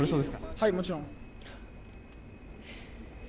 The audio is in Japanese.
はい、もちろん。